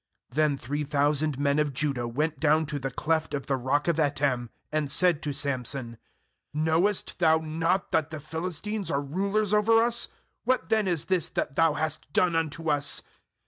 uThen three thousand men of Judah went down to the cleft of the rock of Etam, and said to Samson: 'Knowest thou not that the Philistines are rulers over us? what then is this that thou hast done unto us?'